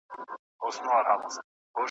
څه د اوس او څه زړې دي پخوانۍ دي `